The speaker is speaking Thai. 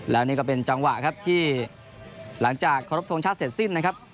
แล้วนี่ก็เป็นจังหวะครับที่หลังจากเคารพทงชาติเสร็จสิ้นนะครับ